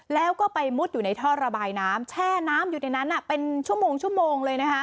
แล้วก็ไปมุดอยู่ในท่อระบายน้ำแช่น้ำอยู่ในนั้นเป็นชั่วโมงชั่วโมงเลยนะคะ